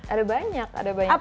ada banyak ada banyak